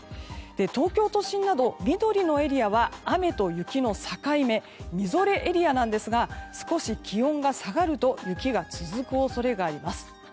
東京都心など緑のエリアは雨と雪の境目みぞれエリアなんですが少し気温が下がると雪が続く恐れがあります。